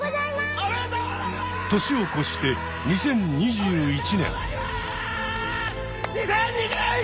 年をこして２０２１年。